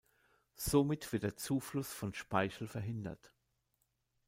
Somit wird der Zufluss von Speichel verhindert.